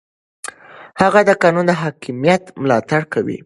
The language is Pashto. هغه د قانون د حاکمیت ملاتړ کوي.